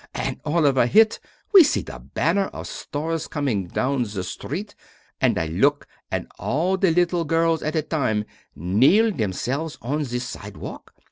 And all of a hit we see the banner of stars coming down the street, and I look and all the little girls at a time kneel themselves on the sidewalk.